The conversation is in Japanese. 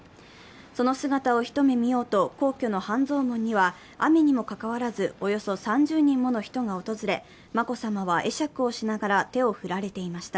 その姿を一目見ようと皇居の半蔵門には、雨にもかかわらず、およそ３０人もの人が訪れ眞子さまは会釈をしながら手を振られていました。